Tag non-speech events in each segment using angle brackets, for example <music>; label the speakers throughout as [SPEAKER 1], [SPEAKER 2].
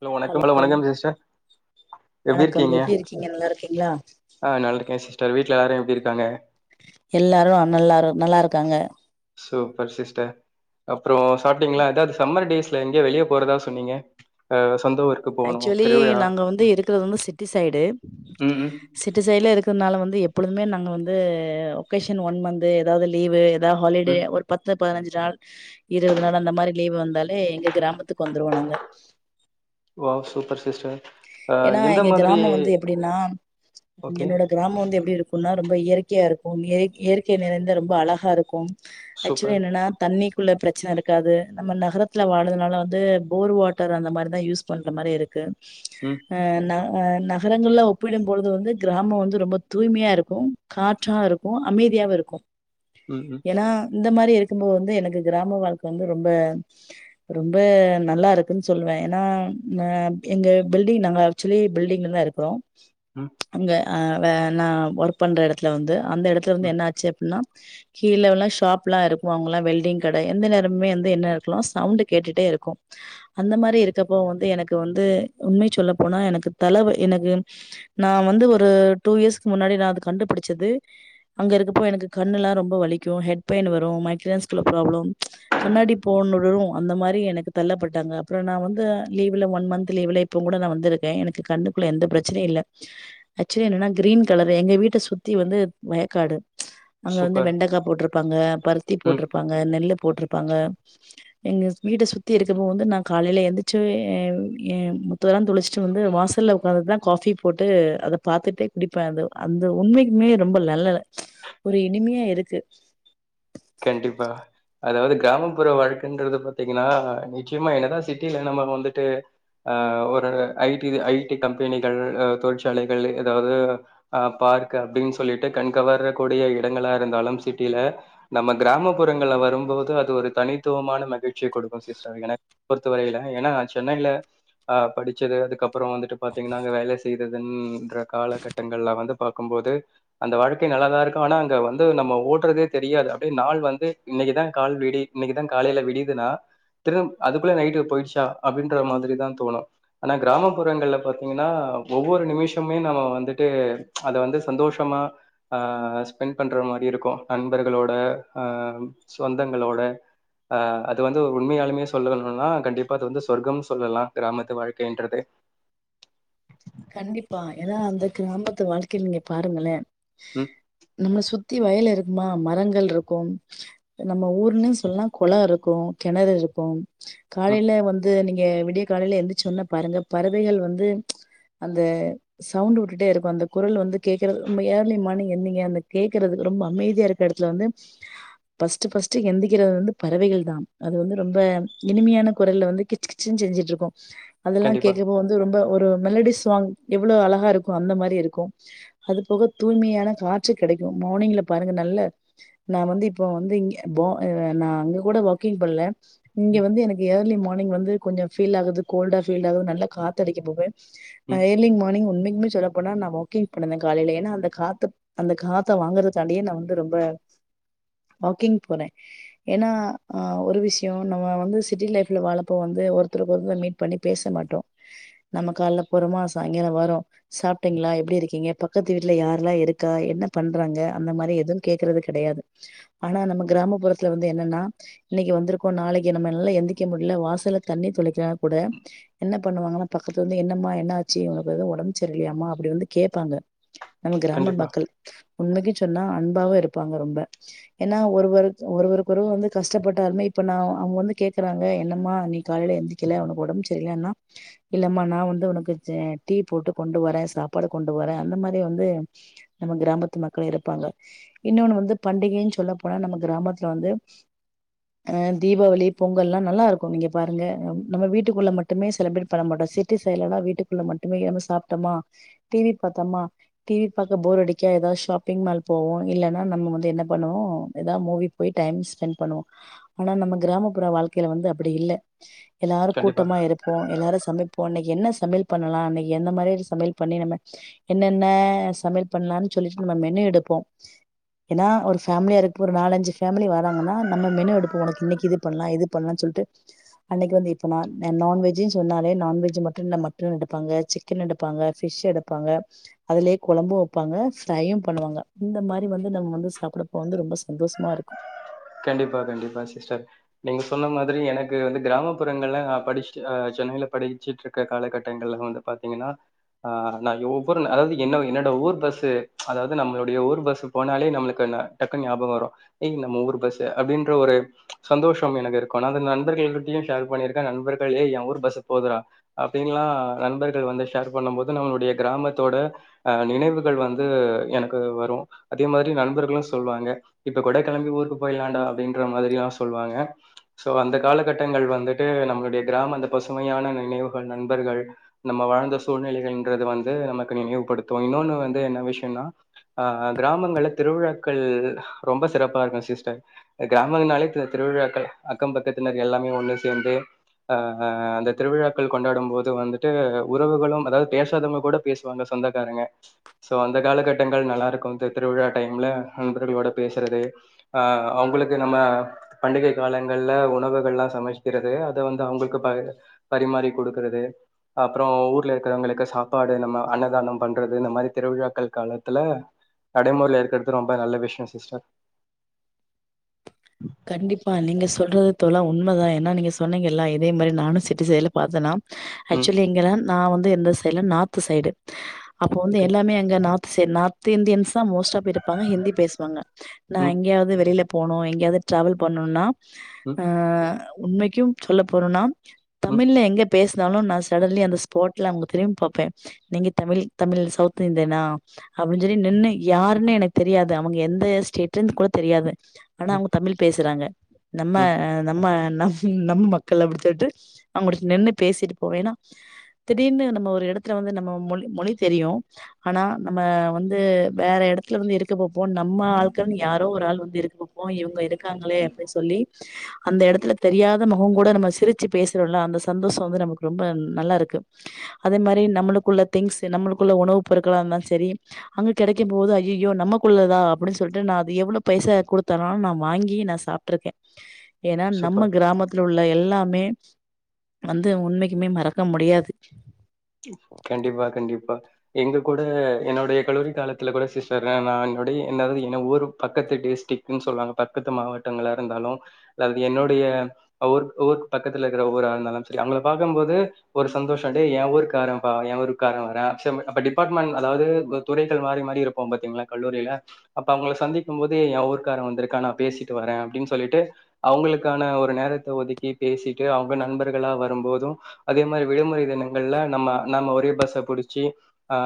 [SPEAKER 1] Hello வணக்கம்ஹலோ வணக்கம் sister எப்டி
[SPEAKER 2] வணக்கம்
[SPEAKER 1] இருக்கீங்க
[SPEAKER 2] நல்லா இருக்கீங்களா
[SPEAKER 1] ஆ நல்லாலருக்கேன் சிஸ்டர் வீட் எல்லாரும் எப்டி இருக்காங்க
[SPEAKER 2] எல்லாரும் அல்லாரு நல்லா இருக்காங்க
[SPEAKER 1] சூப்பர் சிஸ்டர் அப்பறம் சாப்பட்டீங்களா ஏதாவது சம்மர் டேஸ்ல எங்கயோ வெளிய போறதா சொன்னீங்க அ
[SPEAKER 2] ஆக்சுவலி நாங்க வந்து இருக்கிறது வந்து சிட்டி சைடு
[SPEAKER 1] ம் ம்
[SPEAKER 2] சிட்டி சைடுல இரு அதனால வந்து எப்பொழுதுமே நாங்கள் வந்து ஒகேஷன் ஒன் மந்து ஏதாவது லீவு ஹாலிடே
[SPEAKER 1] ம்
[SPEAKER 2] ஒரு பத்து பதினஞ்சு நாள் இருபது நாள் அந்த மாதிரி லீவு வந்தாலே எங்க கிராமத்துக்கு வந்துருவோம் நாங்க
[SPEAKER 1] ஓ சூப்பர் சிஸ்டர் ஆ
[SPEAKER 2] ஏன்னா
[SPEAKER 1] எந்த
[SPEAKER 2] எங்க
[SPEAKER 1] மாதிரி
[SPEAKER 2] கிராமம் வந்து எப்டினா
[SPEAKER 1] ஓகே
[SPEAKER 2] என்னோட கிராமம் வந்து எப்டி இருக்கும்ன்னா ரொம்ப இயற்கைய இருக்கும் இயற்கை நெறைந்த ரொம்ப அழகா இருக்கும் ஆக்சுவலி
[SPEAKER 1] சூப்பர்
[SPEAKER 2] என்னன்னா தண்ணி உள்ள பிரச்சனை இருக்காது நம்ம நகரத்தில் வாழதுனால வந்து போர் வாட்டர் அந்த மாரி தான் யூஸ் பண்ணுற மாரி இருக்கு ம் நான அ நகரங்கள்ல ஒப்பிடும் போழுது வந்து கிராமம் வந்து ரொம்ப தூய்மையா இருக்கும் காற்றா இருக்கும் அமைதியாவும் இருக்கும்
[SPEAKER 1] உஹூம்
[SPEAKER 2] ஏன்னா இந்த மாரி இருக்கும்போது வந்து எனக்கு கிராம வாழ்க்கை வந்து ரொம்ப ரொம்ப நல்லா இருக்குன்னு சொல்லுவேன் ஏன்னா அ எங்க பில்டிங் நாங்க ஆக்சுவலி பில்டிங்ல தான் இருக்கிறோம்
[SPEAKER 1] ம்
[SPEAKER 2] அங்க ஆ வே நான ஒர்க் பண்ணுற இடத்துல வந்து அந்த இடத்துல இருந்து
[SPEAKER 1] ம்
[SPEAKER 2] என்ன ஆச்சு அப்டின்னா கீழல்லாம் ஷாப் எல்லாம் இருக்கும் அங்கல்லாம் வெல்டிங் கட எந்த நேரமே வந்து என்ன இருககல சவுண்ட் கேட்டுட்டே இருக்கும் அந்த மாரி இருக்கப்போ வந்து எனக்கு வந்து அது உண்மை சொல்ல போனா எனக்கு தலைவை எனக்கு நான் வந்து ஒரு டூ இயர்ஸ்கு முன்னாடி நான அது கண்டுபிடிச்சது அங்க இருக்கப்போ எனக்கு கண்ணு எல்லாம் ரொம்ப வலிக்கும் ஹெட் பெயின் வரும் மைக்ரன்ஸ் ப்ராப்ளம் கண்ணாடி போடலும் அந்த மாரி எனக்கு தள்ளப்பட்டாங்க அப்பறம் நான வந்து லீவ்ல ஒன் மந்த் லீவ்ல இப்ப கூட நான் வந்திருக்கேன் எனக்கு கண்ணுக்குள்ள எந்த பிரச்சனையும் இல்ல ஆக்சுவலி என்னன்னா கிரீன் கலர் எங்க வீட்ட சுத்தி வந்து வயக்காடு ப்ச் அங்க வந்து
[SPEAKER 1] சூப்பர்
[SPEAKER 2] வெண்டைக்காய் போட்டிருப்பாங்க பருத்தி
[SPEAKER 1] ம்
[SPEAKER 2] போட்டிருப்பாங்க நெல்லு போட்டிருப்பாங்க எங்க வீட சுத்தி இருக்கப்போ வந்து நான் காலையில எந்திச்சு எ ஏன் முத்ததெல்லாம் தொளிச்சுட்டு வந்து வாசல்ல உட்காந்துட்டுதான் காபி போட்டு அத பாத்துட்டே குடிப்பேன் அந்த உண்மைக்குமே ரொம்ப நல்லது ஒரு இனிமையா இருக்கு
[SPEAKER 1] கண்டிப்பா அதாவது கிராமப்புற வழக்கைன்றது பாத்தீங்கன்னா நிச்சயமா என்னதான் சிட்டியில நம்ம வந்துட்டு அ ஒரு ஐடி ஐடி கம்பெனிகள் தொழிற்சாலைகள் ஏதாவது ஆ பார்க்க அப்டின்னு சொல்லிட்டு கண் கவரக்கூடிய இடங்களா இருந்தாலும் சிட்டில நம்ம கிராமப்புறங்கள்ல வரும்போது அது ஒரு தனித்துவமான மகிழ்ச்சியை கொடுக்கும் சிஸ்டர் எனக்கு பொறுத்தவரையில ஏன்னா சென்னையில ஹ படிச்சது அதுக்கப்பறம் அப்பறம் வந்துட்டு பாத்தீங்கன்னாங்க அங்க வேல செய்து இதுன்கிற காலகட்டங்கள்லாம் வந்து பார்கும்போது அந்த வாழ்க்கை நல்லாதா இருக்கும் ஆனா அங்க வந்து நம்ம ஓட்டுறதே தெரியாது நாள் வந்து இன்னைக்குதான் கால் விடி இன்னைக்குதான் காலையில விடியதுன்னா திரு அதுக்குள்ள நைட்டு போயிடுச்சா அப்டின்ற மாரி தான் தோணும் ஆனா கிராமப்புறங்கள்ல பாத்தீங்கன்னா ஒவ்வொரு நிமிஷமே நம்ம வந்துட்டு அதை வந்து சந்தோஷமா ஆன் ஸ்பெண்ட் பண்ற மாரி இருக்கும் நண்பர்களோட அ சொந்தங்களோட ஆ அது வந்து உண்மையாலுமே சொல்லணும்னா கண்டிப்பா அது வந்து சொர்க்கம் சொல்லலாம் கிராமத்து வாழ்க்கைன்றது
[SPEAKER 2] கண்டிப்பா ஏன்னா அந்த கிராமத்து வாழ்க்கைய நீங்க பாருங்களே
[SPEAKER 1] ம்,
[SPEAKER 2] நம்மள சுத்தி வயலு மா மரங்கள் இருக்கும் நம்ம ஊர்ன்னு சொல்லலாம் குளம் இருக்கும் கிணறு இருக்கும்
[SPEAKER 1] ம்.
[SPEAKER 2] காலையில வந்து நீங்க இங்க விடிய காலைல எந்திரிச்சி வந்து பாருங்க பறவைகள் வந்து அந்த சவுண்ட் விட்டுட்டே இருக்கும் அந்த குரல் வந்து கேக்குறது ரொம்ப இயர்லி மார்னிங் அத கேக்குறதுக்கு ரொம்ப அமைதியா இருக்கற இடத்துல வந்து பர்ஸ்ட் பர்ஸ்ட் எந்திரிக்கிறது வந்து பறவைகள் தான் அது வந்து ரொம்ப இனிமையான குரல்ல வந்து கிச் கிச்சுன்னு செஞ்சுட்டு இருக்கும் அதெல்லாம்
[SPEAKER 1] கண்டிப்பா.
[SPEAKER 2] கேட்கும்போது வந்து ரொம்ப ஒரு மெலடிஸ் இல்ல எவ்வளோ அழகா இருக்கும் அந்த மாதிரி இருக்கும் அது போக தூய்மையான காற்று கிடைக்கும் மார்னிங்ல பாருங்க நல்ல நான் வந்து இப்போ வந்துங்க நான் அங்க கூட வாக்கிங் பண்ணல இங்க
[SPEAKER 1] ம்,
[SPEAKER 2] வந்து எனக்கு எய்ரிலி மார்னிங் வந்து கொஞ்சம் பீல் ஆகுது கோல்டா பீல் ஆகுது நல்லா காத்து அடிக்க போவேன்
[SPEAKER 1] ம்.
[SPEAKER 2] ரெயிலிங் மார்னிங் ஒன்க்கு சொல்ல போனா நான் வாக்கிங் போனந்தேன் காலையில ஏன்னா அந்த கா அந்த காத்த வாங்கறக்காண்டே நான் வந்து ரொம்ப வாக்கிங் போறேன் ஏன்னாஹ ஒரு விஷயம் நம்ம வந்து சிட்டி லைப்ல வாழப்போ வந்து ஒருத்தருக்கு ஒருத்த மீட் பண்ணி பேச மாட்டோம் நம்ம கால்ல அப்புறமா சாயங்கரம் வரும் சாப்பிட்டீங்களா எப்படி இருக்கீங்க பக்கத்து வீட்டுல யாரெல்லாம் இருக்கா என்ன பண்றாங்க அந்த மாதிரி எதுவும் கே்கறது கிடையாது ஆனா நம்ம கிராமப்புறத்துல வந்து என்னன்னா இன்னைக்கு வந்திருக்கோ நாளைக்கு நம்ம நா எந்திக்க முடியல வாசலை தண்ணி தெளிக்கான கூட என்ன பண்ணுவாங்கன்னா பக்கத்துல வந்து என்னமா என்னாச்சு உனக்கு எவும் உடம்பு சரிய இலையாம்மா அப்படி வந்து கேட்பாங்க நம்ம கிராம
[SPEAKER 1] கண்டிப்பா,
[SPEAKER 2] மக்கள் உண்மைக்கும் சொன்னால் அன்பாவும் இருப்பாங்க ரொம்ப ஏன்னா ஒருவ ஒருவருக்கொரு வந்து கஷ்டப்பட்டாலுமே இப்போ நான் அவங்க வந்து கேட்கறாங்க என்னம்மா நீ காலையில எழுந்திக்கல உனக்கு உடம்பு சரியலனா இல்லைம்மா நான் வந்து உனக்கு டீ போட்டு கொண்டு வரேன் சாப்பாடு கொண்டு வரேன் அந்த மாதிரி வந்து நம்ம கிராமத்து மக்கள் இருப்பாங்க இன்னொன்னு வந்து பண்டிகைன்னு சொல்ல போனா நம்ம கிராமத்துல வந்து ஆஹ் தீபாவளி பொங்கல்லாம் நல்லா இருக்கும் நீங்க பாருங்க நம்ம வீட்டுக்குள்ள மட்டுமே செலிப்ரேட் பண்ண மாட்டோம் சிட்டி சைடு்ல எல்லாம் வீட்டுக்கு மட்டுமே நம சாப்பிட்டோமா டிவி பாத்தோமா டிவி பா போர் அடிக்கா ஏதாவது ஷாப்பிங் மால் போவோம் இல்லைன்னா நம்ம வந்து என்ன பண்ணுவோம் ஏதாவது மூவி போய் டைம் ஸ்பெண்ட் பண்ணுவோம் ஆனா நம்ம கிராமப்புற வாழ்க்க வந்து அப்படி இல்ல எல்லாரும்
[SPEAKER 1] கண்டிப்பா,
[SPEAKER 2] கூட்டமா இருப்போம் எல்லாரும் சமைப்போம் இன்னைக்கு என்ன சமையல் பன்னலாம் இன்னைக்கு என்ன மாரி சமையல் பண்ண என்னென்ன சமையல் பண்ணலாம் செல்லி நாம மேனு எடுப்போம் ஏன்ன ஒருஃப்மிலி ஒரு நாலு அஞ்சு ஃபேமிலி வரங்கான ஒரு மேனு எடுப்போம் இன்னக்கி இது பண்ணலாம் இது பண்ணலாம் சொல்லிட்டு அன்னக்கி அது நான் வெஜ்ஜி எடுப்பாங்க சிக்கன் எடுப்பாங்க பபிஷ் எடுப்பாங்க அதுலேயே குழம்பும் வைப்பாங்க ஃப்ரையும் பண்ணுவாங்க இந்த மாதிரி வந்து நம்ம வந்து சாப்பிடப்ப வந்து ரொம்ப சந்தோஷமா இருக்கும்
[SPEAKER 1] கண்டிப்பா கண்டிப்பா சிஸ்டர் நீங்க சொன்ன மாதிரி எனக்கு வந்து கிராமப்புறங்கள்ல படிச்சுஹ் சென்னையில படிச்சுட்டு இருக்க காலகட்டங்கள்ல வந்து பாத்தீங்கன்னா ஆஹ் நான் ஒவ்வொரு அதாவது என்ன என்னோட ஊர் பஸ்சு அதாவது நம்மளுடைய ஊர் பஸ் போனாலே நம்மளுக்கு டக்கு ஞாபகம் வரும் ஏய் நம்ம ஒவ்வொரு பஸ் அப்படின்ற ஒரு சந்தோஷம் எனக்கு இருக்கும் அந்த நண்பர்கள்கிட்டயும் ஷேர் பண்ணியிருக்கேன் நண்பர்கள் ஏ என் ஊர் பஸ் போவுதுடா அப்படின்னுல்லாம் நண்பர்கள் வந்து ஷேர் பண்ணும் போது நம்மளுடைய கிராமத்தோட அஹ நினைவுகள் வந்து எனக்கு வரும் அதே மாதிரி நண்பர்களும் சொல்லுவாங்க இப்ப கொடைக்கிளம்பி ஊருக்கு போயலாண்டா அப்படின்ற மாதிரிலாம் சொல்லுவாங்க சோ அந்த காலகட்டங்கள் வந்துட்டு நம்மளுடைய கிராமம் அந்த பசுமையான நினைவுகள் நண்பர்கள் நம்ம வாழ்ந்த சூழ்நிலைகள் வந்து நமக்கு நினைவுபடுத்தும் இன்னொன்னு வந்து என்ன விஷயம்னா அஹ் கிராமங்களல திருவிழாக்கள் ரொம்ப சிறப்பா இருக்கும் கிராமங்களினாலே திருவிழாக்கள் அக்கம் பக்கத்தினர் எல்லாமே ஒண்ணு சேர்ந்து அஹ் அந்த திருவிழாக்கள் கொண்டாடும் போது வந்துட்டு உறவுகளும் அதாவது பேசாதவங்க கூட பேசுவாங்க சொந்தக்காரங்க சோ அந்த காலகட்டங்கள் நல்லா இருக்கும் இந்த திருவிழா நண்பரகளோட பேசுறது ஆஹ் அவங்களுக்கு நம்ம பண்டிகை காலங்கள்ல உணவுகள் எல்லாம் சமைச்சக்கிறது அதை வந்து அவங்களுக்கு ப பரிமாறி கொடுக்குறது அப்புறம் ஊர்ல இருக்கிறவங்களுக்கு சாப்பாடு நம்ம அன்னதானம் பண்றது இந்த மாதிரி திருவிழாக்கள் காலத்துல நடைமுறையில் இருக்கறது ரொம்ப நல்ல விஷயம் சிஸ்டர்
[SPEAKER 2] கண்டிப்பா நீங்க சொல்றது தோல்லாம் உண்மைதான் ஏன்னா நீங்க சொன்னீங்கல்லாம் இதே மாதிரி நானும் சிட்டிசைல பார்த்தேன்னா
[SPEAKER 1] ம்
[SPEAKER 2] ஆக்சுவலி எங்கெல்லாம் நான் வந்து எந்த சைடுல நார்த்து சைடு அப்ப வந்து
[SPEAKER 1] ஓகே
[SPEAKER 2] எல்லாமே அங்க நா சரி நார்த் இந்தியன்ஸ் தான் மோஸ்ட் ஆப் இருப்பாங்க ஹிந்தி எப்டி பேசுவாங்க நான்
[SPEAKER 1] ம்
[SPEAKER 2] எங்கேயாவது வெளியில போனோ எங்கயாவது ட்ராவல் பண்ணணும்னா
[SPEAKER 1] ம்
[SPEAKER 2] ஆஹ் உண்மைக்கும் சொல்ல போறோம்னா
[SPEAKER 1] ம்
[SPEAKER 2] தமிழ்ல எங்க பேச இருந்தாலும் நான் சடன்லி அந்த ஸ்பாட்ல அவங்க திரும்பி பார்ப்பேன் நீங்க தமிழ் தமிழ் சவுத் இந்தியனா அப்படின்னு சொல்லி நின்று யாருன்னு எனக்கு தெரியாது அவங்க எந்த ஸ்டேட்ல இருந்து கூட தெரியாது ஆனா
[SPEAKER 1] ம்
[SPEAKER 2] அங்க பேசுறாங்க நம்ம
[SPEAKER 1] ம்
[SPEAKER 2] நம்ம நம் நம்ம மக்கள் அப்படி சொல்லிட்டு அவங்களுக்கு நின்று பேசிட்டு போவேன்னா திடீர்னு நம்ம ஒரு இடத்துல வந்து நம்ம மொ மொழி தெரியும் ஆனா நம்ம வந்து வேற இடத்துல வந்து இருக்க போப்போம் நம்ம ஆட்காகளா யாரோ ஒரு ஆள் வந்து இருக்க போப்போம்ங்க இப்ப இருக்காங்குளே அப்டி சொல்லி அந்த இடத்துல தெரியாத முகம் கூட நம்ம சிரிச்சு பேசற அந்த சந்தோஷம் வந்து நமக்கு ரொம்ப நல்லா இருக்கு அதே மாதிரி நம்மளுகுள்ள திங்ஸ் நம்மளுகுள்ள உணவு பொருட்கள் இருந்தாலும் செரி அங்க கெடைக்கும் போது ஐய்யயோ நமக்குள்ளதா அப்டின்னு சொல்லிட்டு நா எவ்ளவு பைசை கொடுத்தன வாங்கி நான் சாப்ட்ருக்கே ஏன்னா
[SPEAKER 1] சூப்பர்
[SPEAKER 2] நம்ம கிராமத்துல உள்ள எல்லா மே வந்து உண்மைக்குமே மறக்க முடியாது
[SPEAKER 1] கண்டிப்பா-கண்டிப்பா எங்க கூட என்னுடைய கல்லூரி காலத்துல கூட சிஸ்டர் நா என்னுட என்து என் ஊர் பக்கத்து டிஸ்ட்ரிக்ன்னு சொல்லுவாங்க பக்கத்து மாவட்டங்களா இருந்தாலும் அல்லது என்னுடைய ஊர் ஊரு பக்கத்துல இருக்கிற ஊரா இருந்தாலும் சரி அவுங்கள பாக்கும் போது ஒரு சந்தோஷம் டே என் ஊருக் க்காரம்பா ஏன் ஊருக்கார வரான் செரி அப்ப டிபார்ட்மென்ட் அதாவது ப்ப துறைகள் மாறி மாறி இருப்போ பாத்தீங்களா கல்லூரியில அப்ப அவுங்கள சந்திக்கும் போது ஏன் ஊருக்காரன் வந்திருக்கா நா பேசிட்டு வரே அப்டின்னு சொல்லிட்டு அவுங்களுக்கான ஒரு நேரத்த ஒதுக்கி பேசிட்டு அவுங்க நண்பர்களா வரும்போது அதே மாரி விடுமுறை தினங்கள்ல நம்ம நம்ம ஒரே பஸ்ஸ புடிச்சு ஹ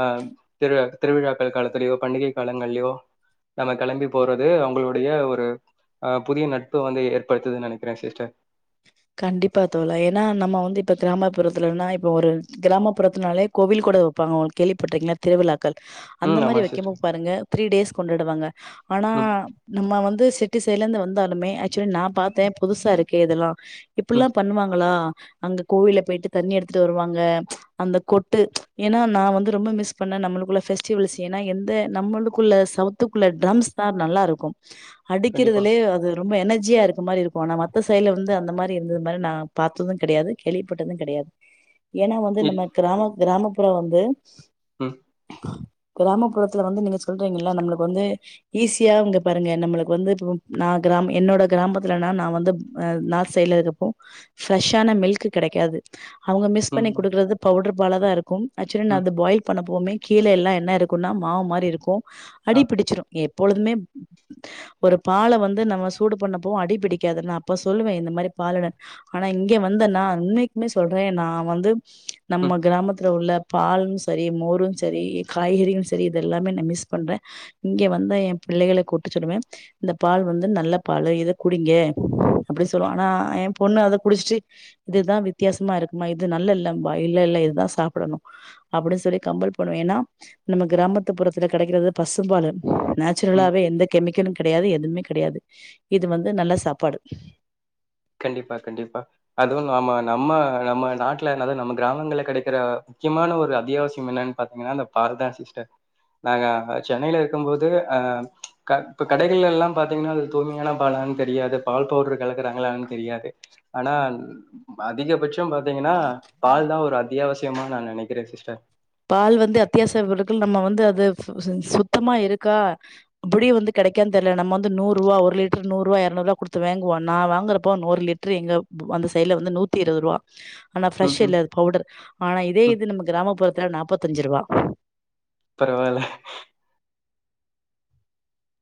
[SPEAKER 1] திரு திருவிழாக்கள் காலத்திலயோ பண்டிகை காலங்களிலோ நம்ம கிளம்பி போறது அவுங்களுடைய ஒரு ஹ புதிய நட்பு வந்து ஏற்படுத்துதுன்னு நெனக்கிறேன் சிஸ்டர்
[SPEAKER 2] கண்டிப்பா தோழா ஏன்னா நம்ம வந்து இப்ப கிராமப்புறத்துலன்னா இப்ப ஒரு கிராமப்புறத்தனாலே கோவில் கொட வைப்பாங்க உங்களுக் கேள்விப்பட்ருக்கீங்களா திருவிழா அந்த
[SPEAKER 1] ம் ஆமா
[SPEAKER 2] மாதிரி வைக்கோ
[SPEAKER 1] சிஸ்டர்
[SPEAKER 2] பாருங்க த்ரீ டேஸ் கொண்டாடுவாங்க ஆனா
[SPEAKER 1] ம்
[SPEAKER 2] நம்ம வந்து சிட்டி சைட்ல இருந்து வந்தாலுமே ஆக்சுவலி நா பாத்தேன் புதுசா இருக்கு இதெல்லாம் இப்டில்லா
[SPEAKER 1] ம்
[SPEAKER 2] பண்ணுவாங்களா அங்க கோவில போயிட்டு தண்ணி எடுத்துட்டு வருவாங்க அந்த கொட்டு ஏனா நா வந்து ரொம்ப மிஸ் பண்ணேன் நம்மளுக்குள்ள பெஸ்டிவல்ஸ் ஏனா எந்த நம்மளுக்குள்ள சவுத்துக்குள்ள டிரம்ஸ் தான் நல்லா இருக்கும்
[SPEAKER 1] கண்டிப்பா
[SPEAKER 2] அடிக்கிறதுலயே அது ரொம்ப எனர்ஜியா இருக்க மாரி இருக்கும் மத்த சைடுல வந்து அந்த மாரி து இருந்தது மாரி நா பாத்ததுங் கெடையாது கேள்விப்பட்டதுங் கெடையாது ஏன்னா வந்து
[SPEAKER 1] இ
[SPEAKER 2] நம்ம கிராம கிராம அப்பற வந்து
[SPEAKER 1] உம்
[SPEAKER 2] கிராமப்புறத்துல வந்து நீங்க சொல்றீங்கல்ல நம்மளுக்கு வந்து ஈஸியா அவுங்க பாருங்க நம்மளுக்கு வந்து இப்ப நா கிராம என்னோட கிராமத்துலனா நான் வந்து ஆ நா செய்யல இருப்போம் ப்ரெஷ்ஷான மில்க் கெடைக்காது அவுங்க மிஸ்
[SPEAKER 1] ம்
[SPEAKER 2] பண்ணி கொடுக்கறது பவுடர் பலதா இருக் உம் ஆக்சுவலி நா
[SPEAKER 1] ம்
[SPEAKER 2] அது பாயில் பண்ண எப்பவுமே கீழ எல்லா என்ன இருக்குன்னா மாவு மாரி இருக்கு
[SPEAKER 1] ஆ
[SPEAKER 2] அடிபிடிச்சிரும் எப் ப்பொழுதுமே ஒரு பால வந்து நம்ம சூடு பண்ணப்பவு அடிபிடிக்காது நா அப்ப சொல்லுவே இந்த ந்த மாரி <unintelligible> ஆனா இங்க வந்த நா இன்னைக்குமே சொல்றே நா வந்து
[SPEAKER 1] ம்
[SPEAKER 2] நம்ம கிராமத்துல உள்ள பாலும் செரி மோரும் செரி காய்கறியும் செரி இதெல்லாமே நா மிஸ் பண்றேன் இங்க வந்தா என் பிள்ளைகள கூட்டிச்சுடுவேன் இந்த பால் வந்து நல்ல பால் இத குடிங்க அப்டி சொல்வாங்க ஆனா என் பொண்ணு அத குடிச்சுட்டு இதுதா வித்தியாசமா இருக்குமா இது நல்லா இல்லம்பா இல்ல இல்ல இதா சாப்படணு அப்டின்னு சொல்லி கம்பல் பண்ணுவே ஏன்னா நம்ம கிராமத்துப்புறத்துல கெடைக்கிறது பசும்பாலு
[SPEAKER 1] ம்
[SPEAKER 2] நேச்சுரலாவே எந்த கெமிக்கலு கெடையாது எதுவுமே கெடையாது இது வந்து நல்ல சாப்பாடு
[SPEAKER 1] கண்டிப்பா கண்டிப்பா அதுவு நாம நம்ம நம்ம நாட்ல அதாவது நம்ம கிராமங்கள்ல கெடைக்கிற முக்கியமான ஒரு அத்தியாவசியம் என்னன்னு பாத்தீங்கன்னா அந்த பால்தா சிஸ்டர் நாங்க சென்னையில இருக்கும்போது ஆ க இப்ப கடைகள் எல்லாம் பாத்தீங்கன்னா அது தூய்மையான பாலான்னு தெரியாது பால் பவுடர் கலக்கறாங்களான் தெரியாது ஆனா ம் அதிகபட்ச் பாத்தீங்கன்னா பால் தான் ஒரு அத்தியாவசிய முக்கியமா நா நெனக்கிறே சிஸ்டர்
[SPEAKER 2] பால் வந்து அத்தியாச பொருகள் நம்ம வந்து அது சுத்தமா இருக்கா அப்டியே வந்து கெடைக்கான்னு தெரியல நம்ம வந்து நூறு ரூபா ஒரு லிட்டரு நூறு ரூபா இரநூறு ரூபாய் கொடுத்து வாங்குவோம் நான் வாங்கறப்போ ஒரு லிட்டரு எங்க அந்த சைடல வந்து நூத்தி இருபது ரூவா ஆனா ஃபிரெஷ்
[SPEAKER 1] ம் ம்
[SPEAKER 2] இல்ல அது படர் ஆனா இதே
[SPEAKER 1] ம்
[SPEAKER 2] இது நம கிராமப்புர கிலோ நாற்பத்தஞ்சு ரூபா
[SPEAKER 1] பரவால்ல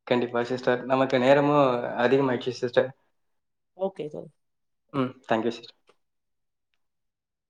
[SPEAKER 1] கண்டிப்பா சிஸ்டர் நமக்கு நேரமும் அதிகமாயிடுச் சிஸ்டர்
[SPEAKER 2] ஓகே தோழி
[SPEAKER 1] ம் தேங்க்யூ சார்